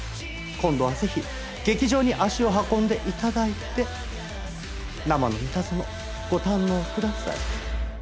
今度はぜひ劇場に足を運んで頂いて生の『ミタゾノ』ご堪能ください。